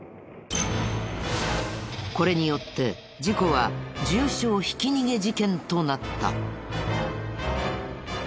これによって事故は重傷ひき逃げ事件となった。